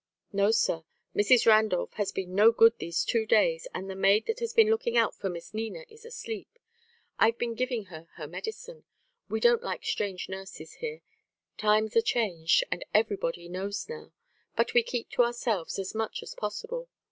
"No, sir; Mrs. Randolph has been no good these two days, and the maid that has been looking out for Miss Nina is asleep. I've been giving her her medicine. We don't like strange nurses here. Times are changed, and everybody knows now; but we keep to ourselves as much as possible.